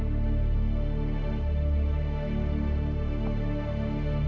kacau tous tidak kasihan aku